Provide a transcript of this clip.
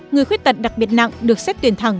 người khuyết tật đặc biệt nặng được xét tuyển thẳng